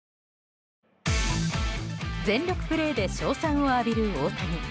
全力プレーで称賛を浴びる大谷。